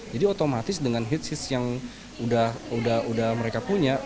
jadi otomatis dengan hitseeds yang udah mereka punya